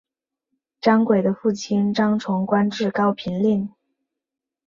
张轨的父亲张崇官至高平令。